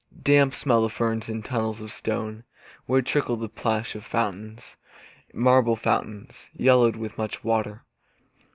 Damp smell the ferns in tunnels of stone, Where trickle and plash the fountains, Marble fountains, yellowed with much water.